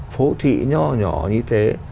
phố thị nhỏ nhỏ như thế